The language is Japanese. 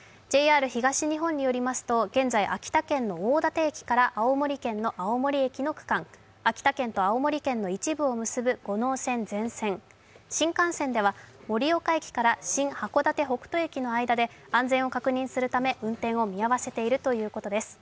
ＪＲ東日本によりますと現在、秋田県の大館駅から青森県の青森駅の区間、秋田県と青森県の一部を結ぶ五能線全線、新幹線では盛岡駅から新函館北斗駅の間で安全を確認するため、運転を見合わせているということです。